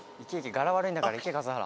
ガラ悪いんだから行け数原。